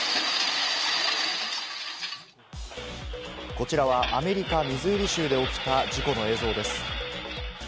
こちらはアメリカ・ミズーリ州で起きた事故の映像です。